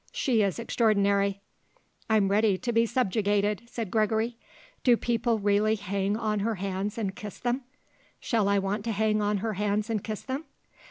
She is extraordinary." "I'm ready to be subjugated," said Gregory. "Do people really hang on her hands and kiss them? Shall I want to hang on her hands and kiss them?"